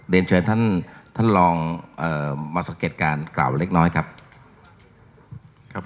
เชิญท่านท่านลองมาสังเกตการณ์กล่าวเล็กน้อยครับ